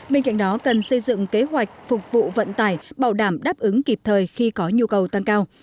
bên cạnh đó cần xây dựng kế hoạch phục vụ vận tải bảo đảm đáp ứng kịp thời khi có nhu cầu tăng cao